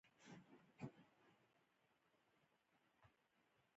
د زیمبابوې مرکزي بانک په خپلو چارو کې مستقل دی.